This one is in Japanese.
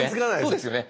そうですよね。